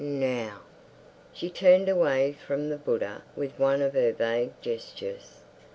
Now? She turned away from the Buddha with one of her vague gestures.